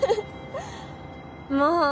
もう。